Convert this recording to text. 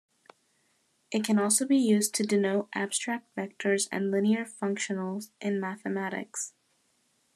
It can also be used to denote abstract vectors and linear functionals in mathematics.